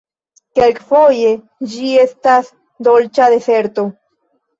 Kelkfoje, ĝi estas dolĉa deserto.